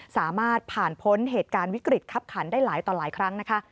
สามารถผ่านพ้นเหตุการณ์วิกฤตคับขันได้หลายต่อหลายครั้งนะคะ